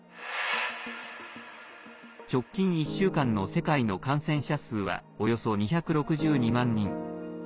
直近１週間の世界の感染者数はおよそ２６２万人。